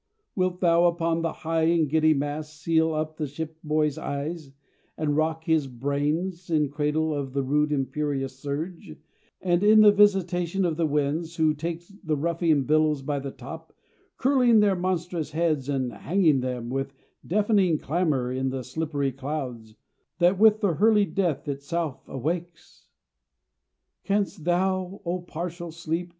Wilt thou upon the high and giddy mast Seal up the ship boy's eyes, and rock his brains In cradle of the rude imperious surge, And in the visitation of the winds, Who take the ruffian billows by the top, Curling their monstrous heads, and hanging them With deafning clamor in the slippery clouds, That with the hurly death itself awakes? Canst thou, O partial sleep!